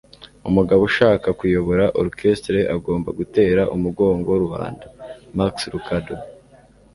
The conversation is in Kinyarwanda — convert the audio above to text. umugabo ushaka kuyobora orchestre agomba gutera umugongo rubanda. - max lucado